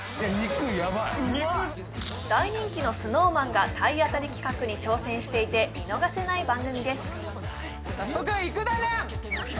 大人気のＳｎｏｗＭａｎが体当たり企画に挑戦していて見逃せない番組です